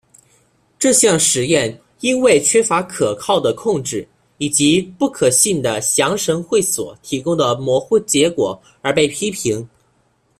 这项实验因为缺乏可靠的控制以及不可信的降神会所提供的模糊结果而被批评。